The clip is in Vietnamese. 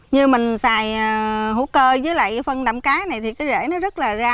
như mình xài hũ cơ với lại phân đạm cái này thì cái rễ nó rất là ra